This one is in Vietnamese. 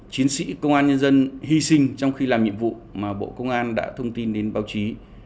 chiến sĩ công an nhân dân hy sinh trong khi làm nhiệm vụ mà bộ công an đã thông tin đến báo chí